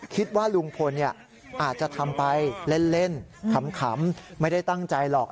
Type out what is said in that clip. คิดว่าลุงพลอาจจะทำไปเล่นขำไม่ได้ตั้งใจหรอก